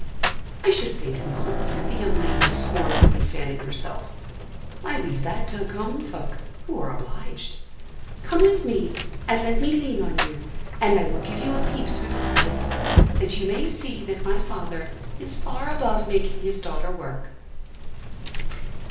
"I should think not," said the young lady, scornfully fanning herself; "I leave that to the common folk, who are obliged. Come with me and let me lean on you, and I will give you a peep through the lattice, that you may see that my father is far above making his daughter work.